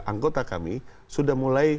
anggota kami sudah mulai